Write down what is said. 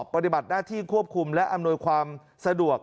ปฏิบัติหน้าที่ควบคุมและอำนวยความสะดวก